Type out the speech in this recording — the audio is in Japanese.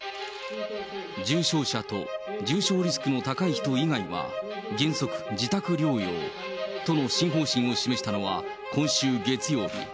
重症者と重症リスクの高い人以外は原則、自宅療養との新方針を示したのは、今週月曜日。